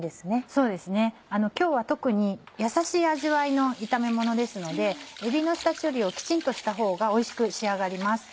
そうですね今日は特にやさしい味わいの炒めものですのでえびの下処理をきちんとしたほうがおいしく仕上がります。